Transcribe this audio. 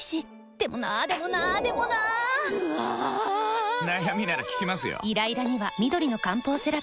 でもなーでもなーでもなーぬあぁぁぁー！！！悩みなら聞きますよ。